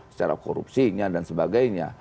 secara korupsinya dan sebagainya